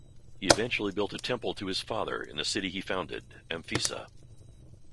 He eventually built a temple to his father in the city he founded, Amphissa.